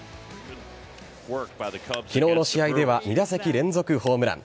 昨日の試合では２打席連続ホームラン。